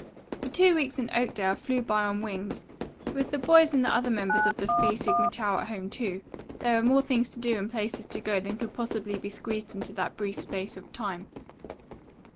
The two weeks in Oakdale flew by on wings. With the boys and the other members of the Phi Sigma Tau at home, too, there were more things to do and places to go than could possibly be squeezed into that brief space of time.